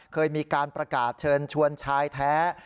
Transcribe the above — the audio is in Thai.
เคยมีการประกาศเชิญชวนชายแท้